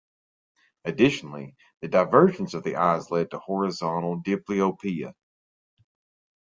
Additionally, the divergence of the eyes leads to horizontal diplopia.